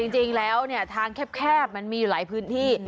จริงแล้วเนี่ยทางแคบมันมีอยู่หลายพื้นที่